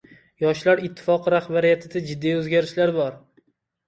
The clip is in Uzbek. Yoshlar ittifoqi rahbariyatida jiddiy o‘zgarishlar bo‘ldi